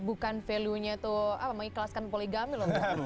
bukan value nya itu mengikhlaskan poligami loh